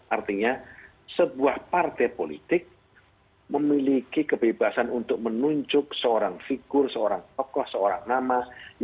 artinya sebuah partai politik memiliki kebebasan untuk menunjuk seorang figur seorang tokoh seorang nama